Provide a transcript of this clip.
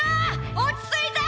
落ち着いて！